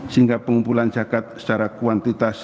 sehingga pengumpulan zakat secara kuantitas